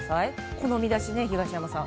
この見出し、東山さん。